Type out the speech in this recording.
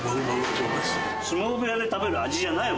相撲部屋で食べる味じゃないよ